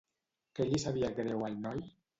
Què li sabia greu al noi?